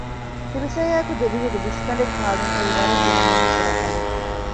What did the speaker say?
ކިރު ސަޔާއެކު ދެބިހުގެ ބިސްގަނޑެއް ކާލުން އެއީ ވަރަށް ގިނަމީހުން ކުރާކަމެއް